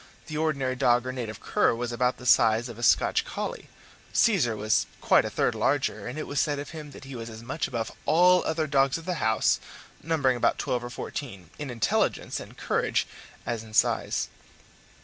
The ordinary dog or native cur was about the size of a Scotch collie; Caesar was quite a third larger, and it was said of him that he was as much above all other dogs of the house, numbering about twelve or fourteen, in intelligence and courage as in size.